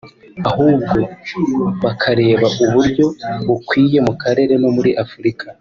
ahubwo bakareba uburyo bukwiye mu karere no muri Afurika